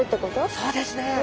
そうですね。